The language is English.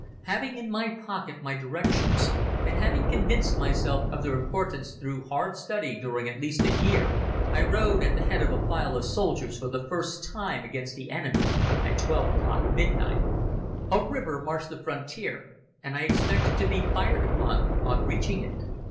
Having in my pocket my directions and having convinced myself of their importance, through hard study during at least a year, I rode at the head of a file of soldiers for the first time against the enemy at twelve o'clock midnight. A river marks the frontier and I expected to be fired upon on reaching it.